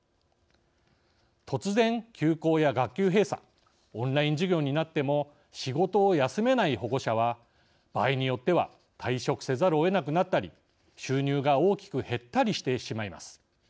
突然休校や学級閉鎖オンライン授業になっても仕事を休めない保護者は場合によっては退職せざるをえなくなったり収入が大きく減ったりしてしまいます。